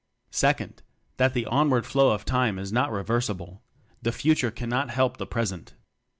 _ Second: That the onward flow of time is not reversible the future can n*ot help the present.